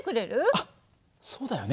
あっそうだよね。